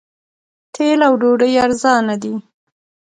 تیل او ډوډۍ ارزانه دي.